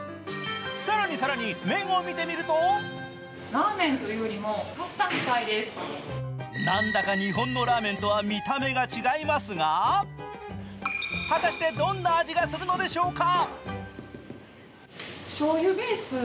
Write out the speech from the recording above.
更に更に、麺を見てみるとなんだか日本のラーメンとは見た目が違いますが、果たしてどんな味がするのでしょうか？